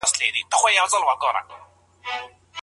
په بل حديث شريف کي ئې فرمايلي دي.